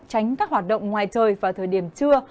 tránh các hoạt động ngoài trời vào thời điểm trưa